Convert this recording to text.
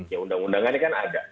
ya undang undangannya kan ada